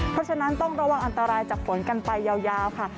เพราะฉะนั้นต้องระวังอันตรายจากฝนกันไปยาวค่ะ